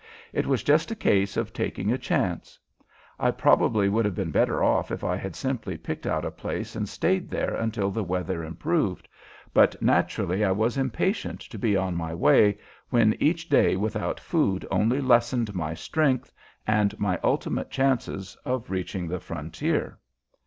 It was just a case of taking a chance. I probably would have been better off if I had simply picked out a place and stayed there until the weather improved, but naturally I was impatient to be on my way when each day without food only lessened my strength and my ultimate chances of reaching the frontier.